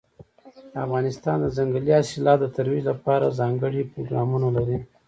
افغانستان د ځنګلي حاصلاتو د ترویج لپاره ځانګړي پروګرامونه لري.